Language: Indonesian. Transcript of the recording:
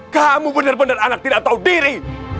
kamu benar benar anak tidak tahu diri